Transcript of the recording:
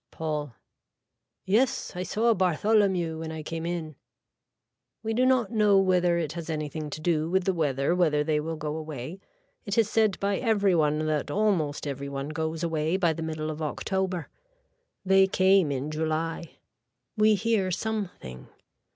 (Paul.) Yes I saw Bartholomew when I came in. We do not know whether it has anything to do with the weather whether they will go away. It is said by every one that almost every one goes away by the middle of October. They came in July. We hear something.